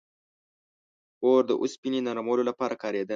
• اور د اوسپنې د نرمولو لپاره کارېده.